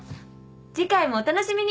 次回もお楽しみに。